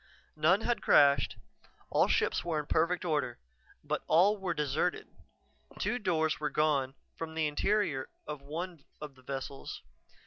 None had crashed; all ships were in perfect order. But all were deserted. Two doors were gone from the interior of one of the vessels.